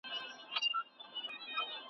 ځوان به ویښ وو هغه آش هغه کاسه وه ,